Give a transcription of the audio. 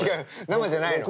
生じゃないの。